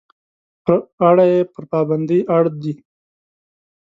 په اړه یې پر پابندۍ اړ دي.